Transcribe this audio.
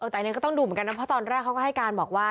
แต่อันนี้ก็ต้องดูเหมือนกันนะเพราะตอนแรกเขาก็ให้การบอกว่า